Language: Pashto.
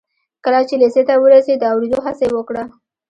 کله چې لېسې ته ورسېد د اورېدو هڅه یې وکړه